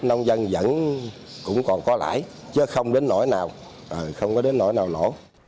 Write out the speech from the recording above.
nông dân vẫn cũng còn có lãi chứ không đến nỗi nào không có đến nỗi nào nổ